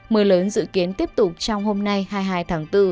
mưa lớn dự kiến tiếp tục trong hôm nay hai mươi hai tháng bốn